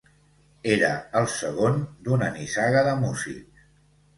Era el segon d'una nissaga de músics.